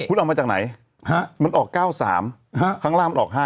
คุณออกมาจากไหนมันออก๙๓ข้างล่างออก๕